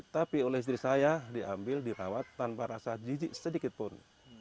tapi oleh istri saya diambil dirawat tanpa rasa jijik sedikitpun